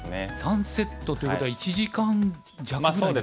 ３セットということは１時間弱ぐらい。